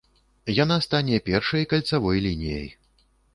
Яна стане першай кальцавой лініяй.